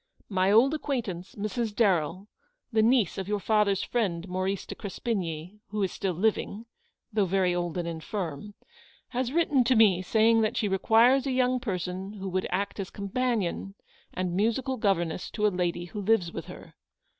My old acquaintance, Mrs. Darrell, the niece of your father's friend, Maurice de Crespigny, who is still living, though very old and infirm, has written to me saying that she requires a young person who would act as companion and musical governess to a lady who lives with her.